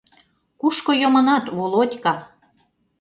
Кушко йомынат, Володька?!